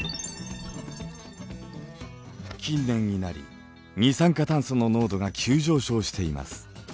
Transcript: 近年になり二酸化炭素の濃度が急上昇しています。